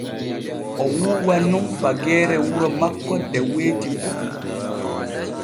O wuuwan nun fageere wuro makko de weeti fu.